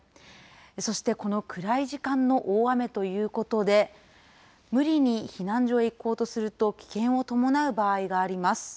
そして、この暗い時間の大雨ということで、無理に避難所へ行こうとすると、危険を伴う場合があります。